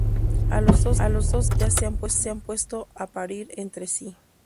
a los dos días ya se han puesto a parir entre sí